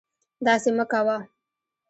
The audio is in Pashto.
داسې مکوه